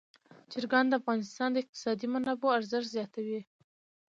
چرګان د افغانستان د اقتصادي منابعو ارزښت زیاتوي.